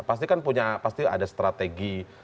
pasti kan punya pasti ada strategi